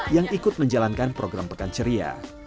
yang ikut menjalankan program pekan ceria